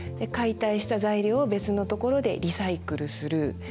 解体した材料を別のところでリサイクルする。